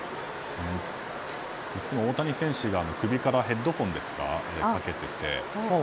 大谷選手が首からヘッドホンをかけていて。